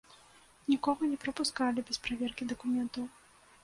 Нікога не прапускалі без праверкі дакументаў.